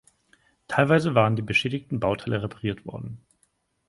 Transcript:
Teilweise waren die beschädigten Bauteile repariert worden.